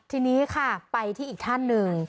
ทีนี้ค่ะไปที่อีกท่านหนึ่ง